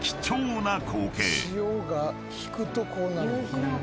潮が引くとこうなるのか。